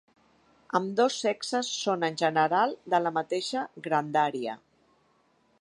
Ambdós sexes són en general de la mateixa grandària.